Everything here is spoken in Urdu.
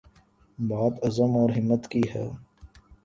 بات عزم اور ہمت کی ہے۔